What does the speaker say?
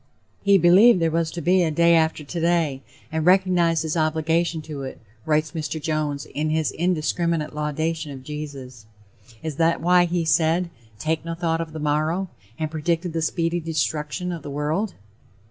"He believed there was to be a day after today, and recognized his obligation to it," writes Mr. Jones in his indiscriminate laudation of Jesus. Is that why he said "Take no thought of the morrow," and predicted the speedy destruction of the world?